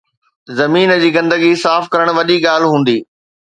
زمين جي گندگي کي صاف ڪرڻ وڏي ڳالهه هوندي